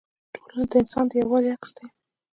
ټولنه د انسان د یووالي عکس دی.